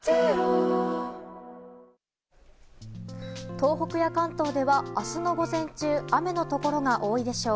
東北や関東では明日の午前中雨のところが多いでしょう。